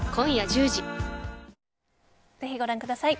ぜひご覧ください。